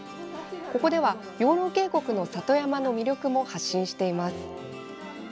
ここでは、養老渓谷の里山の魅力も発信しています。